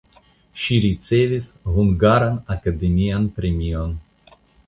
Ŝi ricevis hungaran akademian premion.